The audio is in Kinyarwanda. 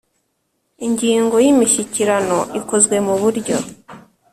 Ingingo ya Imishyikirano ikozwe mu buryo